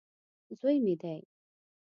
زوی مې دی.